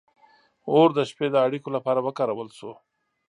• اور د شپې د اړیکو لپاره وکارول شو.